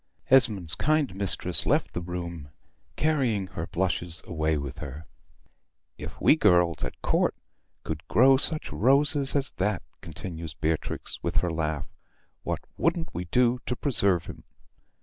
Esmond's kind mistress left the room, carrying her blushes away with her. "If we girls at Court could grow such roses as that," continues Beatrix, with her laugh, "what wouldn't we do to preserve 'em?